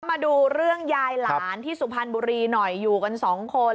มาดูเรื่องยายหลานที่สุพรรณบุรีหน่อยอยู่กันสองคน